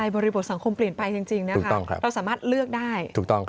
บริบทสังคมเปลี่ยนไปจริงเราสามารถเลือกได้